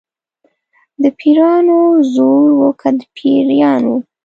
د پیرانو زور و که د پیریانو.